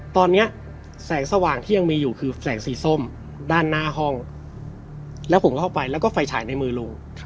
ตอนนี้แสงสว่างที่ยังมีอยู่คือแสงสีส้มด้านหน้าห้องแล้วผมก็เข้าไปแล้วก็ไฟฉายในมือลุง